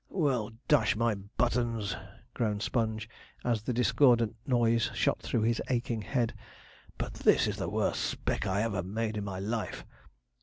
'Well, dash my buttons!' groaned Sponge, as the discordant noise shot through his aching head, 'but this is the worst spec I ever made in my life.